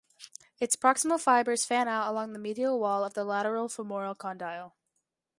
Its proximal fibers fan out along the medial wall of the lateral femoral condyle.